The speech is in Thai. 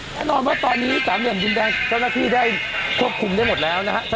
แน่นอนว่าตอนนี้สามเหลี่ยมดินแดงเจ้าหน้าที่ได้ควบคุมได้หมดแล้วนะฮะ